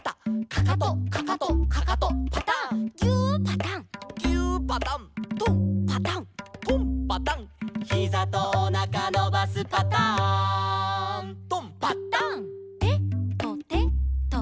「かかとかかとかかとパタン」「ぎゅーパタン」「ぎゅーパタン」「とんパタン」「とんパタン」「ひざとおなかのばすパターン」「とん」「パタン」「てとてと」